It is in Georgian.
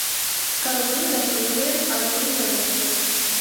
გალავდური დაფარულია ალპური მდელოებით.